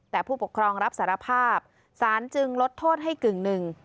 แต่ผู้ปกครองรับสารภาพสารจึงลดโทษให้กึ่งหนึ่ง